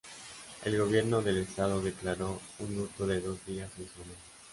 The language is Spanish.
El Gobierno del Estado declaró un luto de dos días en su honor.